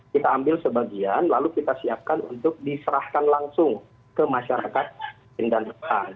kita ambil sebagian lalu kita siapkan untuk diserahkan langsung ke masyarakat dan tetangga